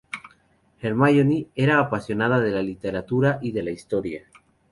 Hermione era una apasionada de la literatura y de la historia.